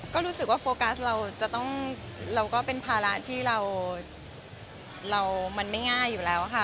ก็รู้สึกว่าโฟกัสเราจะต้องเราก็เป็นภาระที่เรามันไม่ง่ายอยู่แล้วค่ะ